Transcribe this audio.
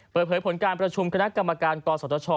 เปิดเผยผลการประชุมคณะกรรมการกศช